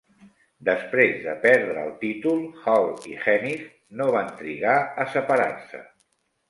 Després de perdre el títol, Hall i Hennig no van trigar a separar-se.